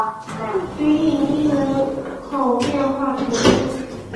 吕伊涅人口变化图示